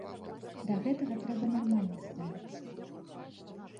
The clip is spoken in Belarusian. Да гэтага трэба нармальна ставіцца.